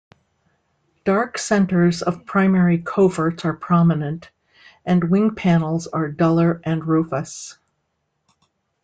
Dark centers of primary coverts are prominent, and wing panels are duller and rufous.